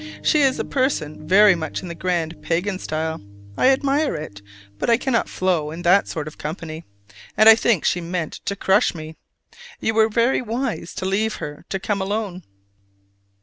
She is a person very much in the grand pagan style: I admire it, but I cannot flow in that sort of company, and I think she meant to crush me. You were very wise to leave her to come alone.